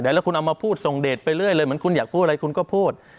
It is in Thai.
แล้วคุณเอามาพูดส่งเดทไปเรื่อยเลยเหมือนคุณอยากพูดอะไรคุณก็พูด